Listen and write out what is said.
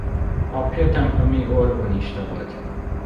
Apja templomi orgonista volt.